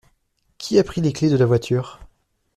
Qui a pris les clefs de la voiture?